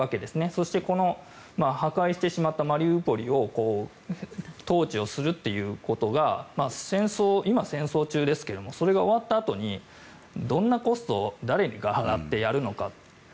そして破壊してしまったマリウポリを統治するということが今は戦争中ですけれどもそれが終わったあとにどんなコストを誰が払ってやるのかと。